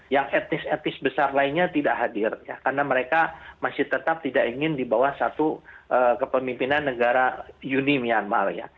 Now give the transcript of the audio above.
yang etnis etnis besar lainnya tidak hadir karena mereka masih tetap tidak ingin di bawah satu kepemimpinan negara uni myanmar ya